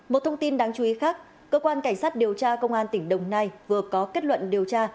một thông tin đáng chú ý khác cơ quan cảnh sát điều tra công an tỉnh đồng nai vừa có kết luận điều tra